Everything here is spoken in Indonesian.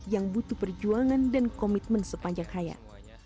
yang butuh perjuangan dan komitmen sepanjang hayat